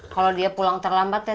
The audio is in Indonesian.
kalau dia pulang terlambat ya